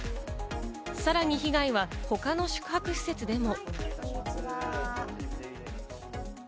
さらに被害は他の宿泊施設でも。